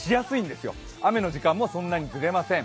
雨の時間もそんなにずれません。